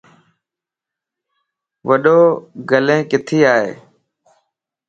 وڏو گيلن ڪٿي ائي؟